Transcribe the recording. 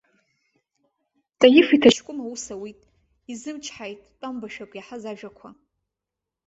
Таиф иҭаҷкәым аус ауит, изымчҳаит тәамбашақә иаҳаз ажәақәа.